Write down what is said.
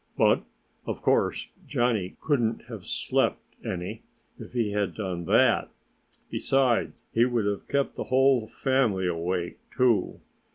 But of course Johnnie couldn't have slept any, if he had done that. Besides, he would have kept the whole family awake, too.